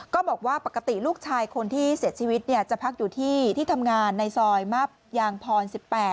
ก็บอกว่าปกติลูกชายคนที่เสียชีวิตจะพักอยู่ที่ทำงานในซอยมับยางพร๑๘